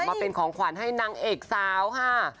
มาเป็นของขวัญให้นางเอกสาวค่ะ